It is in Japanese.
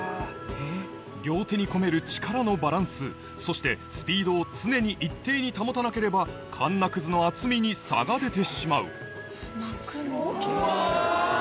両手に込める力のバランスそしてスピードを常に一定に保たなければかんなくずの厚みに差が出てしまううわ。